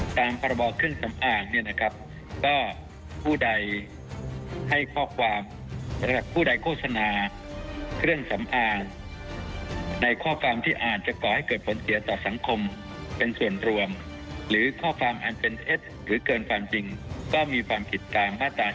ต่างภาระบอกเครื่องสำอางเนี่ยนะครับก็ผู้ใดให้ข้อความหรือผู้ใดโฆษณาเครื่องสำอางในข้อความที่อ่านจะก่อให้เกิดผลเสียต่อสังคมเป็นส่วนรวมหรือข้อความอ่านเป็นเพศหรือเกินผลเสียต่อสังคมเป็นส่วนรวมหรือข้อความอ่านเป็นเพศหรือเกินผลเสียต่อสังคมเป็นเพศหรือเกิน